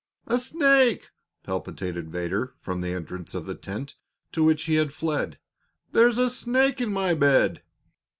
"A snake!" palpitated Vedder, from the entrance of the tent, to which he had fled. "There's a snake in my bed!"